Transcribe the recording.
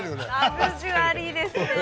ラグジュアリーですね。